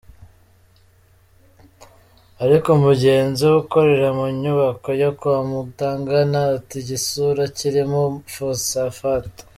Ariko mugenzi we ukorera mu nyubako yo ‘kwa Mutangana’ ati ‘Igisura kirimo Phosphate.